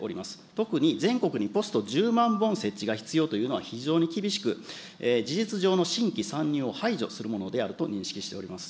特に全国にポスト１０万本設置が必要というのは非常に厳しく、事実上の新規参入を排除するものであると認識しております。